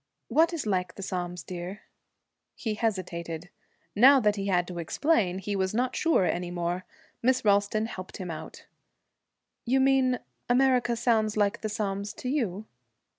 'What is like the Psalms, dear?' He hesitated. Now that he had to explain, he was not sure any more. Miss Ralston helped him out. 'You mean "America," sounds like the Psalms to you?'